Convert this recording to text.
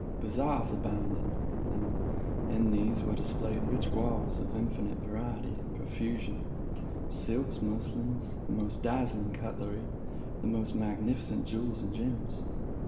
Bazaars abounded; and in these were displayed rich wares in infinite variety and profusion—silks, muslins, the most dazzling cutlery, the most magnificent jewels and gems.